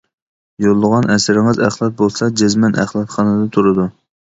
يوللىغان ئەسىرىڭىز «ئەخلەت» بولسا جەزمەن ئەخلەتخانىدا تۇرىدۇ.